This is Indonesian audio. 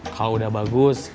kalau udah bagus